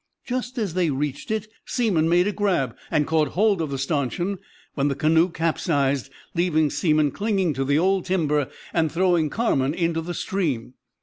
Just as they reached it Seamon made a grab, and caught hold of the stanchion, when the canoe capsized, leaving Seamon clinging to the old timber and throwing Carman into the stream.